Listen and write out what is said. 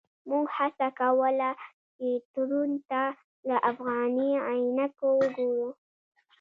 موږ هڅه کوله چې تړون ته له افغاني عینکو وګورو.